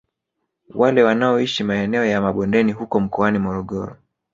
Wale wanaoishi maeneo ya mabondeni huko mkoani Morogoro